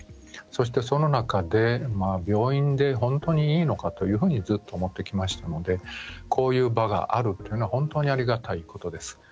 そして、その中で病院で本当にいいのかというふうにずっと思ってきましたのでこういう場があるというのは本当にありがたいことです。